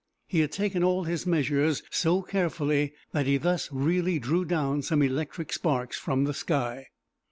He had taken all his measures so carefully that he thus really drew down some electric sparks from the sky.